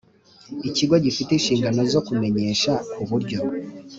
Ikigo gifite inshingano zo kumenyesha ku buryo